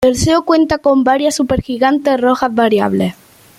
Perseo cuenta con varias supergigantes rojas variables.